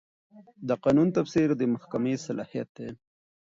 د قانون تفسیر د محکمې صلاحیت دی.